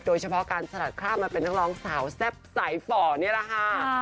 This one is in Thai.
โดยเฉพาะการสลัดคราบมาเป็นนักร้องสาวแซ่บสายฝ่อนี่แหละค่ะ